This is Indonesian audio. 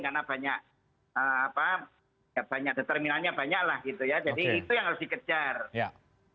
karena banyak determinannya